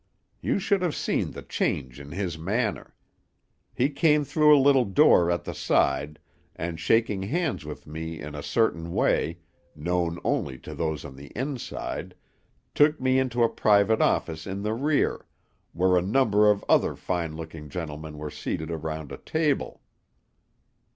You should have seen the change in his manner! He came through a little door at the side, and shaking hands with me in a certain way, known only to those on the inside, took me into a private office in the rear, where a number of other fine looking gentlemen were seated around a table.